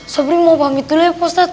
saya mau pamit dulu ya pak ustadz